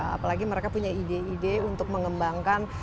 apalagi mereka punya ide ide untuk mengembangkan